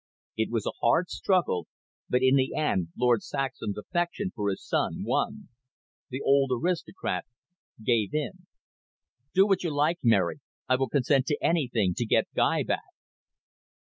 It was a hard struggle, but in the end Lord Saxham's affection for his son won. The old aristocrat gave in. "Do what you like, Mary. I will consent to anything to get Guy back."